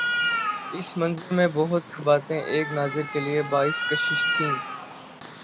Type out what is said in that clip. اس منظر میں بہت سی باتیں ایک ناظر کے لیے باعث کشش تھیں۔